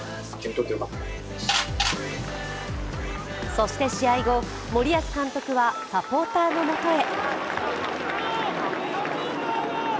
そして試合後、森保監督はサポーターのもとへ。